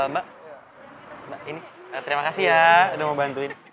mbak ini terima kasih ya udah mau bantuin